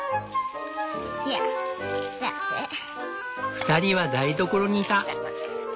２人は台所にいた。